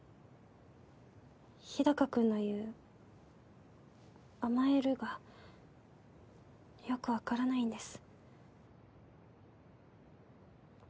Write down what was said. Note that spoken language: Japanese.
日高君の言う「甘える」がよく分からないんです。